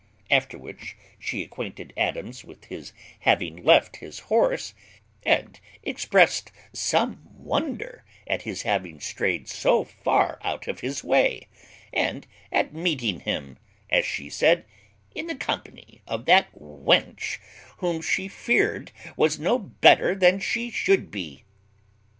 After which, she acquainted Adams with his having left his horse, and exprest some wonder at his having strayed so far out of his way, and at meeting him, as she said, "in the company of that wench, who she feared was no better than she should be."